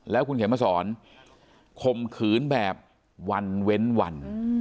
แล้วคุณเขียนมาสอนข่มขืนแบบวันเว้นวัน